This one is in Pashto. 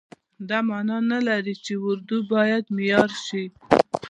دا معنا نه لري چې اردو باید معیار شي.